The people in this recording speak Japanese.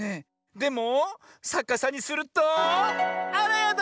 でもさかさにするとあらやだ！